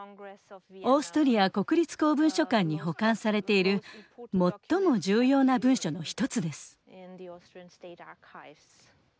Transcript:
オーストリア国立公文書館に保管されている最も重要な文書の一つです。